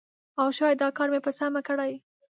او شاید دا کار مې په سمه کړی